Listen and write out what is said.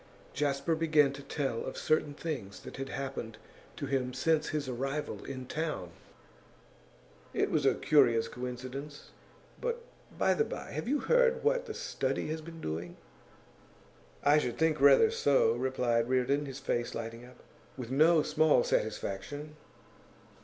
Jasper began to tell of certain things that had happened to him since his arrival in town. 'It was a curious coincidence but, by the bye, have you heard of what The Study has been doing?' 'I should rather think so,' replied Reardon, his face lighting up. 'With no small satisfaction.